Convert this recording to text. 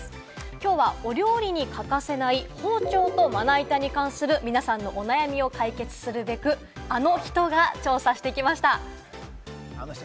きょうはお料理に欠かせない包丁とまな板に関する皆さんのお悩みを解決するべく、あの人が調査してきました。